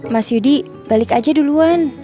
mas yudi balik aja duluan